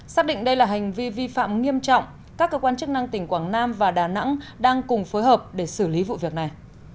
xác định đây là hành vi vi phạm nghiêm trọng các cơ quan chức năng tỉnh quảng nam và đà nẵng đang cùng phối hợp để xử lý vụ việc này